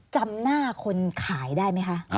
จำหน้าคนขายได้ไหมคะ